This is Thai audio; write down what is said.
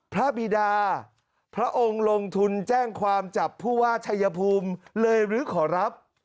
พระบีดาพระองค์ลงทุนแจ้งความจับผู้ว่าชัยภูมิเลยหรือขอรับ